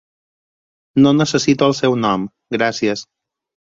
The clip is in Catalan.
No necessito el seu nom, gràcies.